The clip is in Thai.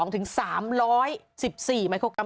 ถึง๓๑๔ไมโครกรรม